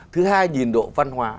thứ hai nhìn độ văn hóa